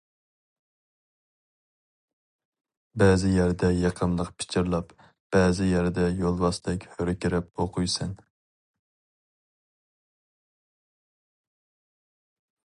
بەزى يەردە يېقىملىق پىچىرلاپ، بەزى يەردە يولۋاستەك ھۆركىرەپ ئوقۇيسەن.